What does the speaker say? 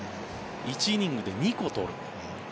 １イニングで２個取る。